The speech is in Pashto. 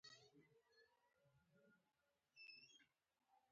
تمدن زموږ د ګډ باور هینداره ده.